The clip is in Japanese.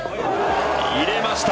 入れました。